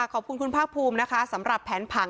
ขอบคุณคุณภาคภูมินะคะสำหรับแผนผัง